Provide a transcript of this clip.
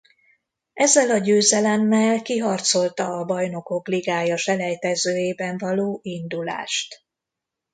Ezzel a győzelemmel kiharcolta a Bajnokok Ligája selejtezőjében való indulást.